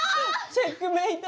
チェックメイト。